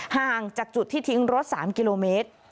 ห่างจากจุดที่ทิ้งรถ๓กิโลเมตร